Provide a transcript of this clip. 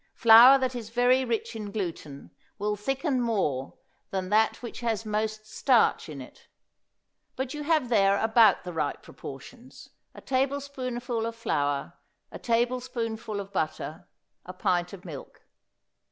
Flour that is very rich in gluten will thicken more than that which has most starch in it. But you have there about the right proportions a tablespoonful of flour, a tablespoonful of butter, a pint of milk.